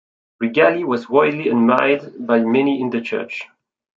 Rigali was widely admired by many in the church.